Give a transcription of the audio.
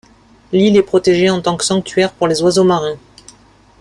L'île est protégé en tant que sanctuaire pour les oiseaux marins.